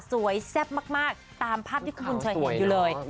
แซ่บมากตามภาพที่คุณเคยเห็นอยู่เลย